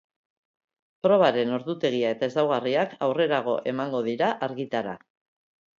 Probaren ordutegia eta ezaugarriak aurrerago emango dira argitara.